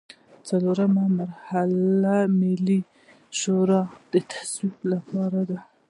څلورمه مرحله ملي شورا ته د تصویب لپاره ده.